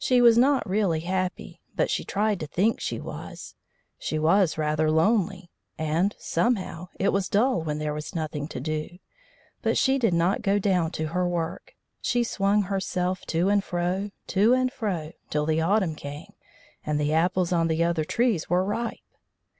She was not really happy, but she tried to think she was. She was rather lonely, and, somehow, it was dull when there was nothing to do. But she did not go down to her work; she swung herself to and fro, to and fro, till the autumn came, and the apples on the other trees were ripe.